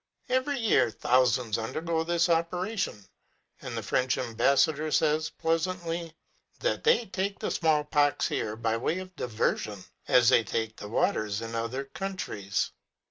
Every year thousands undergo this operation ; and the French embassador says pleasantly, that they take the small pox here by way of diversion, as they take the waters in other countries.